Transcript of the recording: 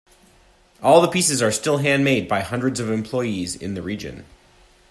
All the pieces are still handmade by hundreds of employees in the region.